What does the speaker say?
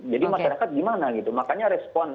jadi masyarakat gimana makanya respon